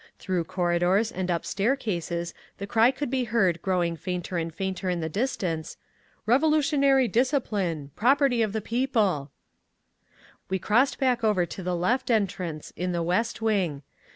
Through corridors and up stair cases the cry could be heard growing fainter and fainter in the distance, "Revolutionary discipline! Property of the People…." We crossed back over to the left entrance, in the West wing.